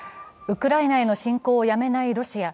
ウクライナへの侵攻をやめないロシア。